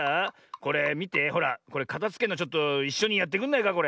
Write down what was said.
これかたづけんのちょっといっしょにやってくんないかこれ。